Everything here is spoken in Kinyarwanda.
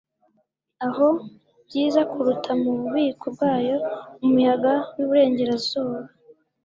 aho, byiza kuruta mu bubiko bwayo , umuyaga wiburengerazuba